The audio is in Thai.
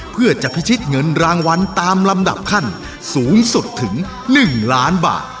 เพื่อจะพิชิตเงินรางวัลตามลำดับขั้นสูงสุดถึง๑ล้านบาท